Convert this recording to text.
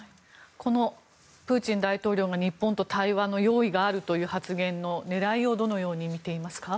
このプーチン大統領が日本と対話の用意があるという発言の狙いをどのように見ていますか？